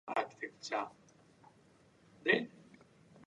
He lost in four sets with three tiebreakers.